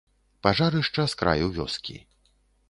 Пажарышча з краю вёскі.